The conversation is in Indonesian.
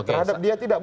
terhadap dia tidak